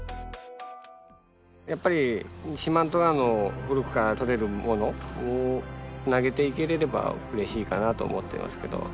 やっぱり四万十川の古くから取れるものをつなげていけれればうれしいかなと思ってますけど。